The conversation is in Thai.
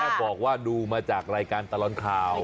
ถ้าบอกว่าดูมาจากรายการตลอดข่าว